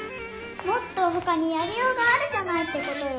もっとほかにやりようがあるじゃないってことよ。